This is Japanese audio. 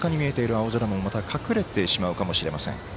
青空もまた隠れてしまうかもしれません。